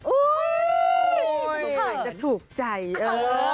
อุ๊ยสุข่ายจะถูกใจ